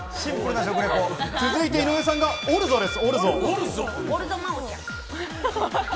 続いて井上さんがオルゾです。